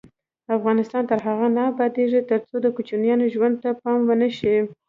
افغانستان تر هغو نه ابادیږي، ترڅو د کوچیانو ژوند ته پام ونشي.